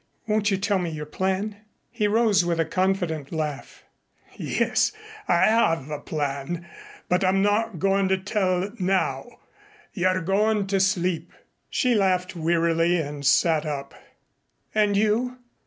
Won't you tell me your plan?" He rose with a confident laugh. "Yes, I have a plan, but I'm not going to tell it now. You are going to sleep." She laughed wearily and sat up. "And you?